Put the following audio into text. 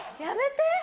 やめて。